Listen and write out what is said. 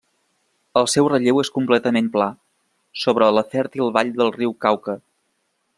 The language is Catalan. El seu relleu és completament pla, sobre la fèrtil vall del riu Cauca.